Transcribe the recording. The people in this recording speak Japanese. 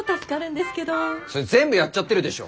それ全部やっちゃってるでしょ。